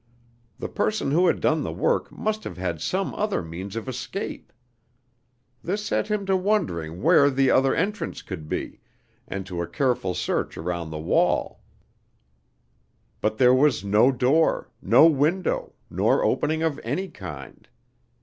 The person who had done the work must have had some other means of escape. This set him to wondering where the other entrance could be, and to a careful search around the wall; but there was no door, no window, nor opening of any kind.